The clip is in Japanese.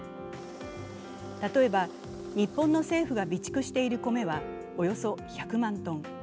例えば日本の政府が備蓄している米はおよそ１００万トン。